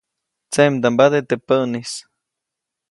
Tseʼmdambade teʼ päʼnis.